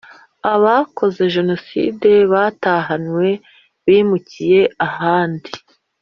Abakoze Jenoside batahanwe bimukiye ahandi.